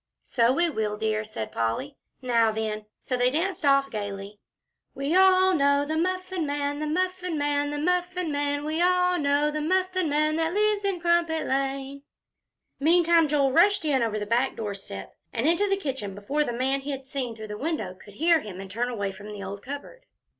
"So we will, dear," said Polly. "Now then!" So they danced off gayly. "We all know the Muffin Man the Muffin Man the Muffin Man. We all know the Muffin Man, that lives in Crumpet Lane." Meantime, Joel rushed in over the back doorstep and into the kitchen before the man he had seen through the kitchen window could hear him and turn away from the old cupboard.